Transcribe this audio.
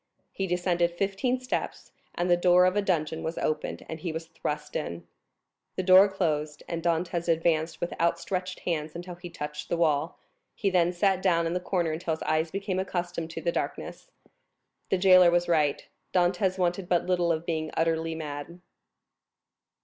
He descended fifteen steps, and the door of a dungeon was opened, and he was thrust in. The door closed, and Dantès advanced with outstretched hands until he touched the wall; he then sat down in the corner until his eyes became accustomed to the darkness. The jailer was right; Dantès wanted but little of being utterly mad.